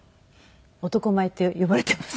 男前って呼ばれていますね。